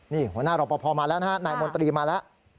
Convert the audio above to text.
นี่หัวหน้ารอปภมาแล้วนะฮะนายมนตรีมาแล้ว